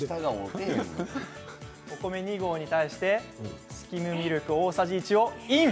お米２合に対してスキムミルク大さじ１をイン！